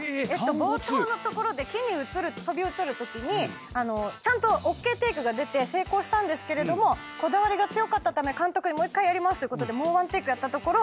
冒頭の所で木に飛び移るときにちゃんとＯＫテークが出て成功したんですけれどもこだわりが強かったため監督にもう１回やりますということでもうワンテークやったところ。